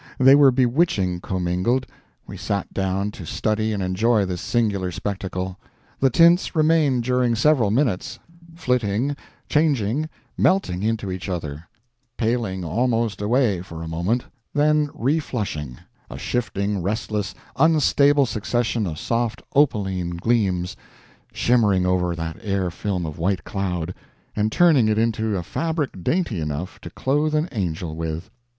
They were bewitching commingled. We sat down to study and enjoy this singular spectacle. The tints remained during several minutes flitting, changing, melting into each other; paling almost away for a moment, then reflushing a shifting, restless, unstable succession of soft opaline gleams, shimmering over that air film of white cloud, and turning it into a fabric dainty enough to clothe an angel with.